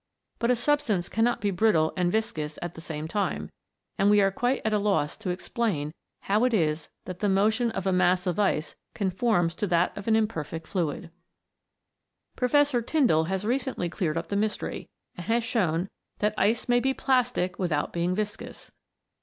But a substance cannot be brittle and viscous at the 250 MOVING LANDS. same time, and we are quite at a loss to explain how it is that the motion of a mass of ice conforms to that of an imperfect fluid. Professor Tyndall has recently cleared up the mystery, and has shown that ice may be plastic without being viscous.